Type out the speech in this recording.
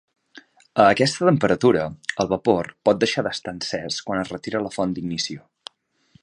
A aquesta temperatura el vapor pot deixar d'estar encès quan es retira la font d'ignició.